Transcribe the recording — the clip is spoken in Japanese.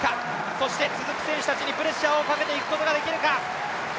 そして続く選手たちにプレッシャーをかけていくことができるか。